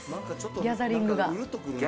ギャザリングが。